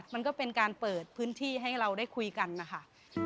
มันก็เป็นการเปิดพื้นที่ให้เราได้คุยกันนะคะ